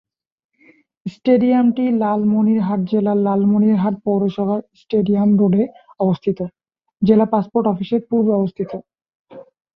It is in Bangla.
স্টেডিয়ামটি লালমনিরহাট জেলার লালমনিরহাট পৌরসভার স্টেডিয়াম রোডে অবস্থিত, জেলা পাসপোর্ট অফিসের পূর্বে অবস্থিত।